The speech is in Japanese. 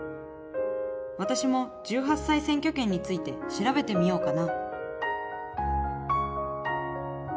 私も１８歳選挙権について調べてみようかな。